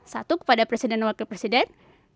satu kepada presiden dan wakil presiden